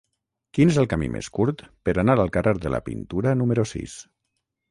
Quin és el camí més curt per anar al carrer de la Pintura número sis?